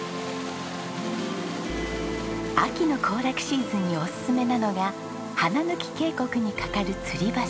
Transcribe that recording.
秋の行楽シーズンにおすすめなのが花貫渓谷にかかるつり橋。